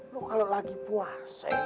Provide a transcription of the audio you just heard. lu kalau lagi puas